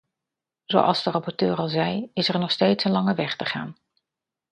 Zoals de rapporteur al zei is er nog steeds een lange weg te gaan.